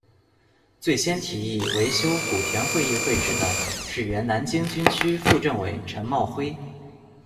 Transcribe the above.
最先提议维修古田会议会址的是原南京军区副政委陈茂辉。